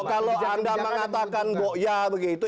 kalau anda mengatakan boya begitu